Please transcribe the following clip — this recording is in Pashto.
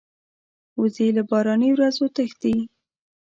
وزې له باراني ورځو تښتي